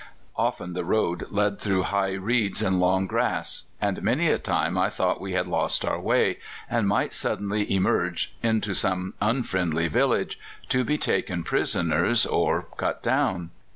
Often the road led through high reeds and long grass, and many a time I thought we had lost our way, and might suddenly emerge into some unfriendly village, to be taken prisoners or cut down.